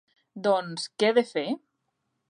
Doncs què he de fer?